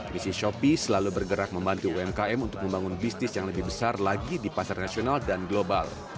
misi shopee selalu bergerak membantu umkm untuk membangun bisnis yang lebih besar lagi di pasar nasional dan global